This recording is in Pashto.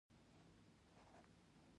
د ښځو د حقونو نقض باید پای ته ورسېږي.